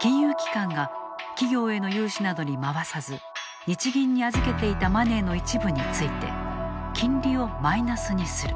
金融機関が企業への融資などに回さず日銀に預けていたマネーの一部について金利をマイナスにする。